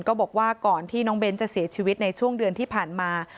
ก็บอกว่าก่อนที่น้องเบ้นจะเสียชีวิตในช่วงเดือนที่ผ่านมา